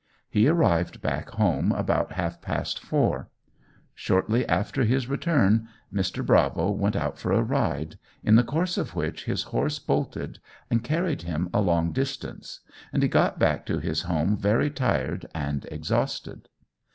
He arrived back home about half past four. Shortly after his return, Mr. Bravo went out for a ride, in the course of which his horse bolted and carried him a long distance, and he got back to his home very tired and exhausted.